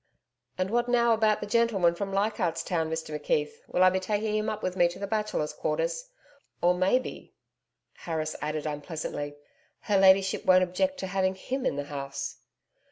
'And what now about the gentleman from Leichardt's Town, Mr McKeith? Will I be taking him up with me to the Bachelor's Quarters? Or may be,' Harris added unpleasantly, 'her ladyship won't object to having him in the house.'